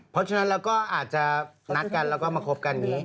เพราะฉะนั้นเราก็อาจจะนัดกันแล้วก็มาคบกันอย่างนี้